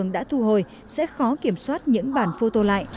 đã thu hồi sẽ khó kiểm soát những bản phô tô lại